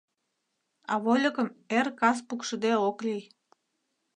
А вольыкым эр-кас пукшыде ок лий.